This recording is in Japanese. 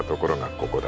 ここだ